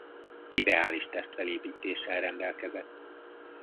Ideális testfelépítéssel rendelkezett.